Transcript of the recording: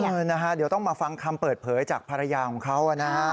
เออนะฮะเดี๋ยวต้องมาฟังคำเปิดเผยจากภรรยาของเขานะฮะ